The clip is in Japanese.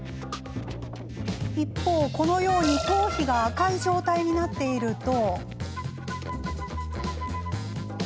一方、このように頭皮が赤い状態になっていると。